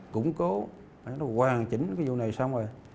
cũng cố hoàn chỉnh cái vụ này xong rồi